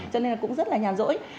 cho nên là cũng rất là nhàn rỗi